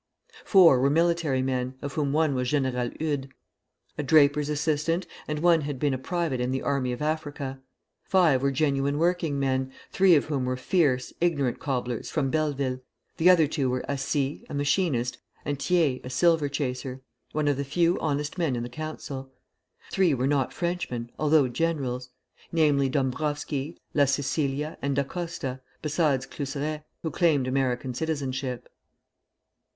Four were military men, of whom one was General Eudes, a draper's assistant, and one had been a private in the army of Africa. Five were genuine working men, three of whom were fierce, ignorant cobblers from Belleville; the other two were Assy, a machinist, and Thiez, a silver chaser, one of the few honest men in the Council. Three were not Frenchmen, although generals; namely, Dombrowski, La Cecilia, and Dacosta, besides Cluseret, who claimed American citizenship.